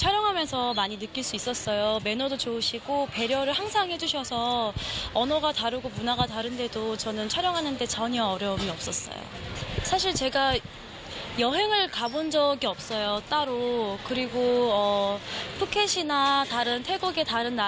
เธอก็บอกประมาณว่าขอบคุณเจมมานะคะ